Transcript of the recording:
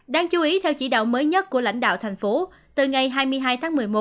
đáng chú ý theo chỉ đạo mới nhất của lãnh đạo thành phố từ ngày hai mươi hai tháng một mươi một